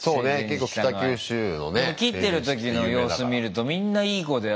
でも切ってる時の様子見るとみんないい子で。